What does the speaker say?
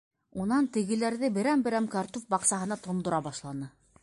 Унан тегеләрҙе берәм-берәм картуф баҡсаһына тондора башланы.